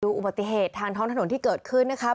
อุบัติเหตุทางท้องถนนที่เกิดขึ้นนะครับ